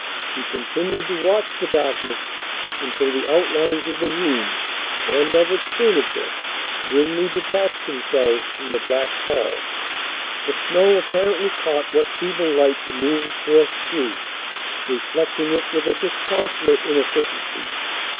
He continued to watch the darkness until the outlines of the room and of its furniture dimly detached themselves from the black pall. The snow apparently caught what feeble light the moon forced through, reflecting it with a disconsolate inefficiency.